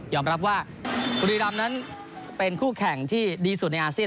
รับว่าบุรีรำนั้นเป็นคู่แข่งที่ดีสุดในอาเซียน